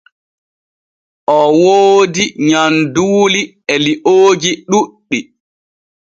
O woodi nyanduuli e liooji ɗuɗɗi.